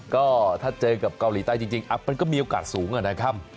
ก็ถ้าเจอกับเกาหลีใต้จริงมันก็มีโอกาสสูงนะครับ